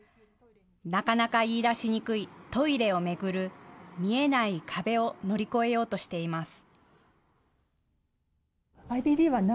なかなか言いだしにくいトイレを巡る見えない壁を乗り越えようとしています。